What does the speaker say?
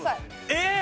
えっ！？